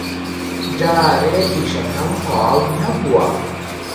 جارێ ئیشەکەم تەواو نەبووە.